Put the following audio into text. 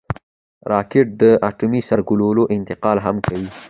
راکټ د اټومي سرګلولې انتقال هم کوي